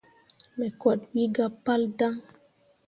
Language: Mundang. Me koot wi gah pal daŋ.